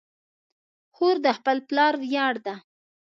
خور د خپل پلار ویاړ ده.